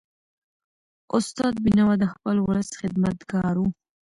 استاد بینوا د خپل ولس خدمتګار و.